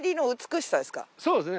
そうですね